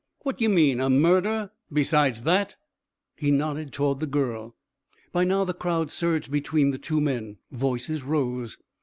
"What ye mean a murder, besides that?" He nodded toward the girl. By now the crowd surged between the two men, voices rose.